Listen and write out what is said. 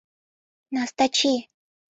Настачи